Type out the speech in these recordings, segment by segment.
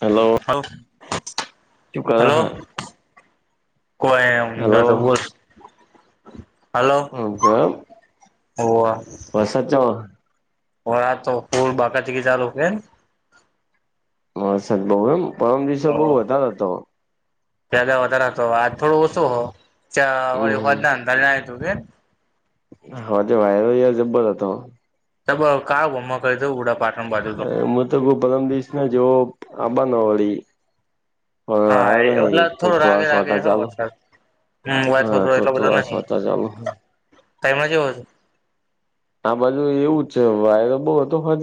Hello હ hello, કો એ હેલો તો બ જ હલોો એમ કેમ હ વરસાદ ચો ઓ આ તો ફૂલ બાકાતી કે ચાલુ ફ હ સત બઉ એમ પરમ દિવસો બહુ વધારેો હતો. પદા વધારે હતો આ થોડું ઓછું હો હમ ચળવાંધ હતું કે હાજ વાયરો ર જબ્બર હતો. તબ ક ઉમ ક, તો ઉડા પા હ હું તો કો પરમ દશ ના જોવો આબ ન વળી. હ હા આવ્યો ને એટલે તો થોડો તો રાગે રાગે આસોટા હો ચાલ વરસાદ હમ વાત હા થોડો તો તો આ છતા ચાલુ હોય. તાઈમને જેવો હતુ આ બાજુ એવું છે, વાયરોો બહ હતો હજ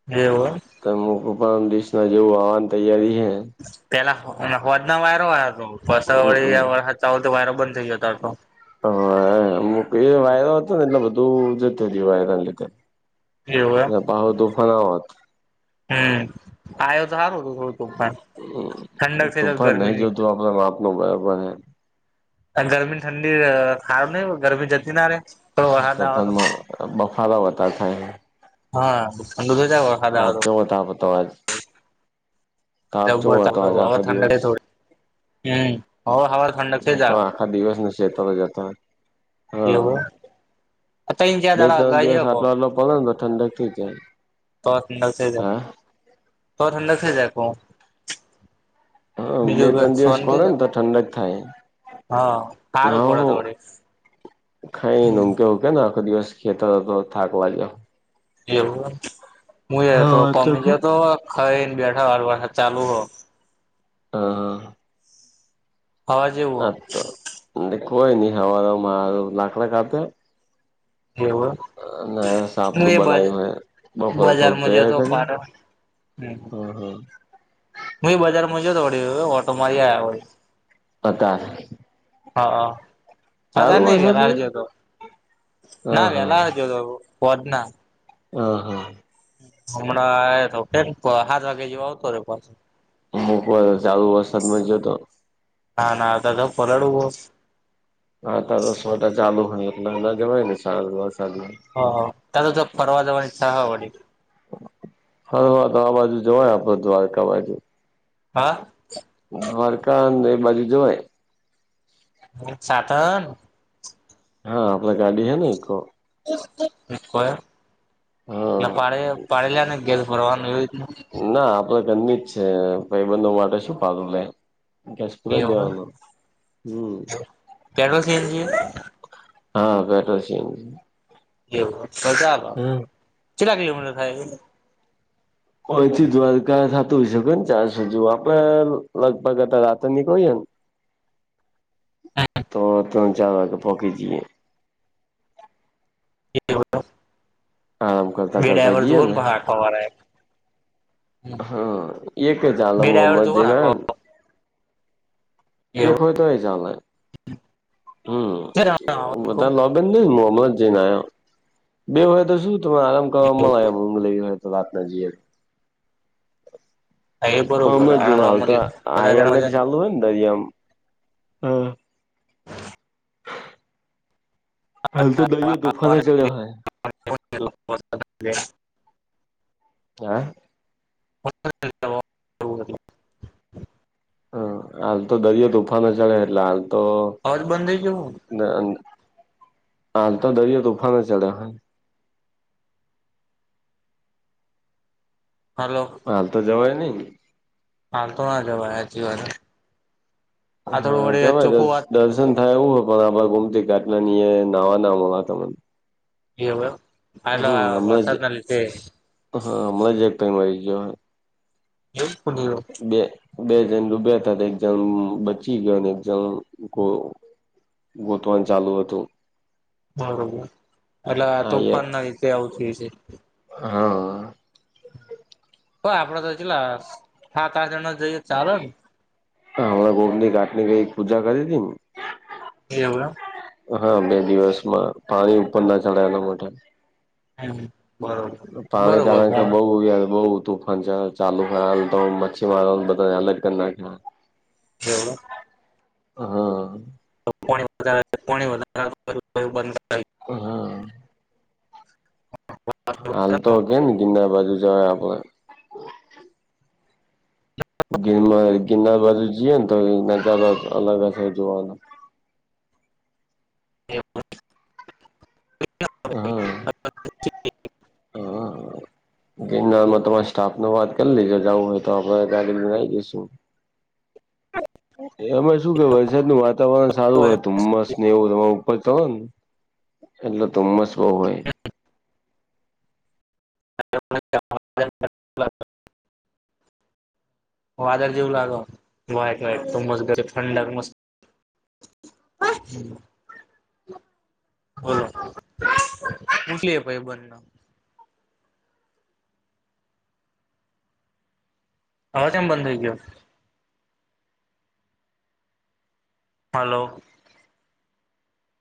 હવ તમક પણ દસ ના જેવું આવવાની તૈયારી, હ પેલા હોદ ના વાયરો હમમ આવયા હતોળ વ તો વાયરો બંધ થઈ જતો હતો. હ એ વાયદો હતો ને એટલે બધું જ થ વાયદાને લીધે એવું એમ ના પાહો તોફના વાત હમ આવયો તો સારું હતુ થોડું તોફાન ઠંડક છે, તો ગરમીની મતલબ આપનો બરાબર હ ગરમી ઠંડી ખારું નહી, ગરમી જતી ના રે થોડો વરસાદ આવે તો તોફનમાં બફારા વધાર થાય. હા ખંડુ થઈ જ ખાદ તો ત પતા જબબર તો હતો આજ હવે આખો ઠંડ, દિવસ થોડી હમ હવે હવે ઠંડક હુ, થઈ તો જાવ આખા દિવસને ચેત જતા હા એવું તઈણ ચાર બે દાડા ત્રણ અગાઉ દિવસ આયો આટલો કોક આટલો પડ ને તો ઠંડક થી ત ત ઠંડ થ જ, તો ઠંડ થ જાય કો હા, બે ત્રણ દિવસ પડે ને તો ઠંડક થાય હા સારું પડ તો વડે ખાઈનેમ કેવું કેને આખો દિવસ ખેતો હતો તો થાકવા જાવ એવું હું એ હા તો વાત કોમે કે ગયો તો ખાઈને બેઠા વાર વરસાદ ચાલુ હો હા હા. હવા જેવું હા તો એ કોઈ, નહ હવા મારું લાકડા કાપે. હો એવું ના હું સાપડું એ બનાય્યું મે બપોરે થોડું બજારમાં ગયો તૈયાર તો કરી. પાટણ હમ-હમ. હુ એ બજારમાં જતોડી ઓટો મારી આવ્યા હોય. અતા. હા હા. ચાલુ બધાર નઈ વેલાાર વરસાદમાં જોતો હા ના વેલાાર જોતો ના. હ હા. હમણાં તો કે સાત વાગે જેવા આવતો રે પાછ. મોકવા દ સારુ વરસાદ મમાંજયો તો. હા ના તો પલાડવુ. હા તો દસ મોટા ચાલુ હોય એટલે અના જવાય ને સારજ. હ ત તો તો ફરવાજવાની સહવાડી. હા હા તો આ બાજુ જવાય આપડે દ્વારકા બાજુ. હા. દ્વારકા એ બાજુ જવાય. સાધન. હા આપલા ગાડી હે ને એક. કોય એટલે હા પાડ પાડે લ્યા ને ગેસ ફરવાનું એવી રીત. ના આપલ ગની જ છે ભાઈબંધ માટેટા શું પાલ લ. દેશપુરા એવું દવાનું હમ. પેટ્રોલ સીએનજી હા બેઠો છી એમ. એવુંજ કેટલા કિલોમીટર થાય. કોઈથી દ્વારકા થતું હોય શકે ને ચારસોજુ આપડે લગભગ અ રાતે નીકળીએ. તો તો ચાલે વા પોકી જઈએ. આરામ કરતા બે કરતા ડ્રાઈવર જઈએ જોવો ને નેખવા વાળા એક. હા એક ચાલે જોવો મજી ને આખો ના. એક હોય તો એ ચાલે હમ એ બધા લો. બંદ મોહમ્મદ જે ના્યા. બે હોય તો શું તને આરામ કરવા મળે એમમ લેવી હોય તો વાત ના જઈએ. બરોબર હમ જ જો બધા હાલ તો આઈએલ જણા મજા ચાલુ હોય ને દરમ હ હ. હલે તો દરિયો તોુફાને ચડ્યો હોય. [inaudible] હા. હ. [inaudible] હ હાલ તો દરિયો તોુફાાન ચડે એટલે હાલ તો. અજ બંધે જોું. હાલ તો દરિયો તૂફાનમાં ચડ્યા. હલો. હાલ તો જવાય નહી. હાલ તો આ જવાચ વા. હા ચોખ્ખું જબરજસ્ત વાત દસ. પસંદ થાય એવુ હોય પણ આભ ગુમતી કેટલાની નાવા નામ તને. એવું આલ હમણાં વરસાદ જ ના લીધે. હા હમણાં જ એક ટાઈમ આવી ગયો. એ સુું. બે બે જણ ડૂબ્યા હતા ને એક ઝામ બચી ગયો એક્ઝામ કો. ગોતવણ ચાલુ હતું બરોબર એટલે આ તો ઉપર આયા ના રીતે આવત હો છે હા ઓ આપડા તો લ સાત આઠ જણા જઈએ ચાલે ને રા ગરંદી કાટની ગ પૂજા કરી હતીમ એવલો હા બે દિવસમાં પાણી ઉપર ના ચડાય એના માટે એ મ પાણી કારણ કે બહુ યાર બહ હતું ચાલુ ખલ તો મચ્છી મારોને બધા અલગ કર નાખ્યા [unintelligible] હા ણી પાણી વધ કો બંધ હહ હાલ તો કે ન ગિના બાજુ જ આપ ગિરમાં ગિરનાર બાજુ જઈએ ને તોાર અલગ હશે જોવાનું એવું હા અ ન તમારી સ્ટાફ ન વાત કરી લેજો જવું હોય તો આપડે કને આવી જઈશું એમાં શું કે વરસાદ ન વાત તાવરણ સારું હોય કરાવી ધુમ્મસ ને એવું તમારા ઉપર ચ હો ને એટલે ધુમ્મસ બઉ હોય [unintelligible] વાદર જવું લાગ વાયટ વાયટ તો મસ્ત ગ ઠંડક મસ્ત હ હલો કુટલી એ પાઈ બર ના હવા જેમ બંધ થઈ ગયો હાલો